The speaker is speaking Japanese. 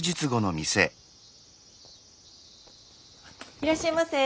いらっしゃいませ。